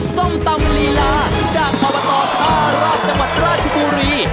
ส้มตำลีลาจากประวัติศาสตร์ธาราชบัตรราชกุรี